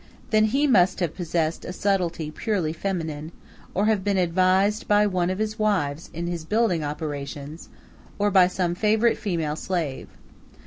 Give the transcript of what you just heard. Then he must have possessed a subtlety purely feminine, or have been advised by one of his wives in his building operations, or by some favorite female slave.